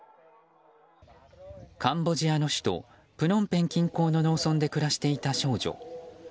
カンボジアの首都プノンペン近郊の農村で暮らしていた少女。